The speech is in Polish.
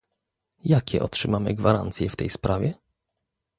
Jakie otrzymamy gwarancje w tej sprawie?